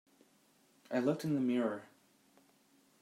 I looked in the mirror.